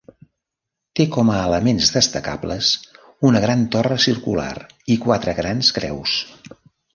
Té com a elements destacables una gran torre circular i quatre grans creus.